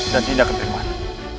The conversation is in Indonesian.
dan tindakan kemana